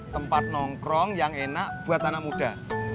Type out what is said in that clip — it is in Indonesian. tempat nongkrong yang enak buat anak muda